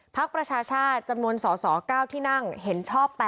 ประชาชาติจำนวนสส๙ที่นั่งเห็นชอบ๘